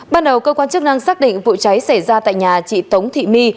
ban đầu cơ quan chức năng xác định vụ cháy xảy ra tại nhà chị tống thị my